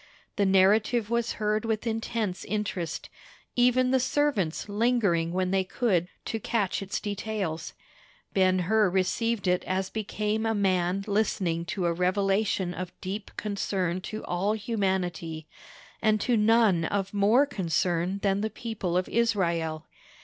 The narrative was heard with intense interest; even the servants lingering when they could to catch its details. Ben Hur received it as became a man listening to a revelation of deep concern to all humanity, and to none of more concern than the people of Israel.